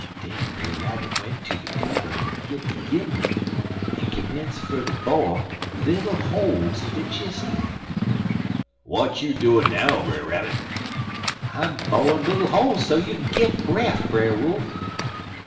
"Den Brer Rabbit went ter de cubberd en git de gimlet, en commence for ter bo' little holes in de chist lid. "'W'at you doin' now, Brer Rabbit?' "'I'm bo'in' little holes so you kin get bref, Brer Wolf.'